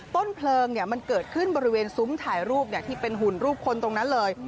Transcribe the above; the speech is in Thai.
ต้นเพลิงมันเกิดขึ้นบริเวณซุ้มถ่ายรูปที่เป็นหุ่นรูปคนตรงนั้นเลย